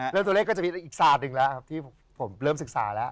แล้วตัวเลขก็จะมีอีกตรา้าตหนึ่งกับที่ผมเริ่มศึกษาละ